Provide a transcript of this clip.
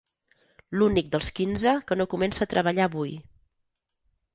L'únic dels quinze que no comença a treballar avui.